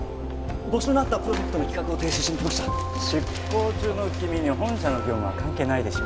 募集のあったプロジェクトの企画を提出しに来ました出向中の君に本社の業務は関係ないでしょ